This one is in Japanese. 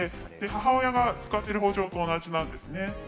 母親が使っている包丁と同じなんですね。